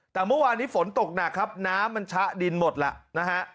แต่เมื่อวานนี้ฝนตกหนักครับน้ำมันชะดินหมดแล้วนะฮะ